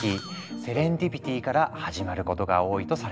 セレンディピティーから始まることが多いとされている。